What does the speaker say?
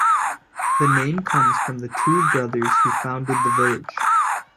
The name comes from the two brothers who founded the village.